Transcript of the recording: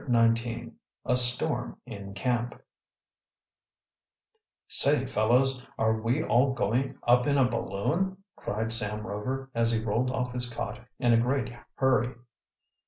CHAPTER XIX A STORM IN CAMP "Say, fellows, are we all going up in a balloon!" cried Sam Rover, as he rolled off his cot in a great hurry.